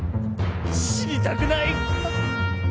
死にたくない。